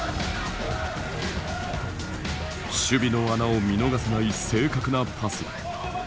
守備の穴を見逃さない正確なパス。